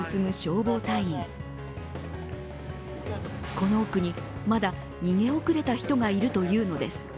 この奥にまだ逃げ遅れた人がいるというのです。